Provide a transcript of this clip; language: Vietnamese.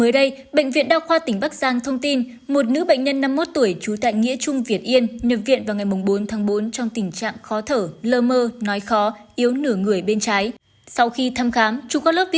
các bạn hãy đăng ký kênh để ủng hộ kênh của chúng mình nhé